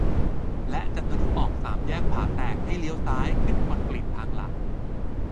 และจะทะลุออกสามแยกผาแตกให้เลี้ยวซ้ายขึ้นคอนกรีตทางหลัก